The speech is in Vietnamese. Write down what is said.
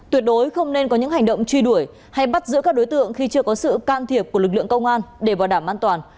tuyệt đối không nên có những hành động truy đuổi hay bắt giữ các đối tượng khi chưa có sự can thiệp của lực lượng công an để bảo đảm an toàn